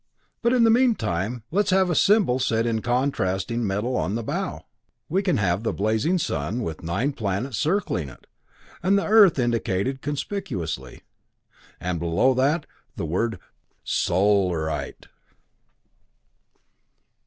But in the meantime, let's have a symbol set in contrasting metal on the bow. We can have a blazing sun, with nine planets circling it, the Earth indicated conspicuously; and below it the word SOLARITE."